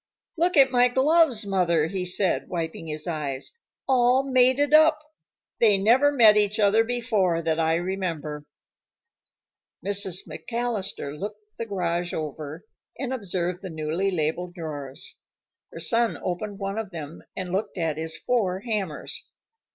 "Look at my gloves, Mother," he said, wiping his eyes. "All mated up. They never met each other before, that I remember." Mrs. McAllister looked the garage over, and observed the newly labeled drawers. Her son opened one of them, and looked at his four hammers.